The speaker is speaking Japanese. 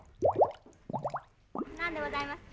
何でございますか？